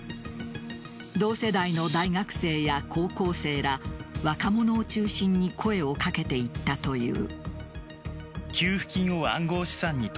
同世代の大学生や高校生ら若者を中心に声を掛けていったという。